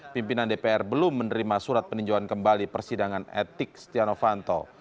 pimpinan dpr belum menerima surat peninjauan kembali persidangan etik setia novanto